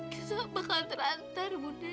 kita bakal terantar bunda